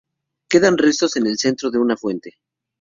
Quedan restos en el centro de una fuente.